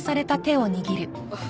あっ。